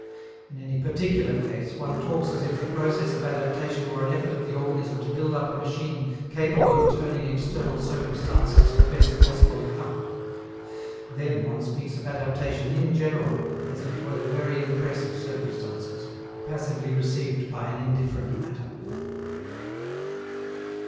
In any particular case one talks as if the process of adaptation were an effort of the organism to build up a machine capable of turning external circumstances to the best possible account: then one speaks of adaptation in general as if it were the very impress of circumstances, passively received by an indifferent matter.